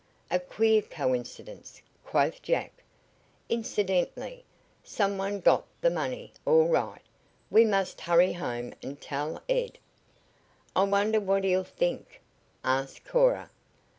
"A queer coincidence," quoth Jack. "Incidentally, some one got the money, all right. We must hurry home and tell Ed." "I wonder what he'll think?" asked Cora.